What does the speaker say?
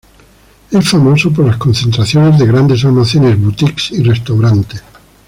Es famoso por la concentración de grandes almacenes, "boutiques" y restaurantes.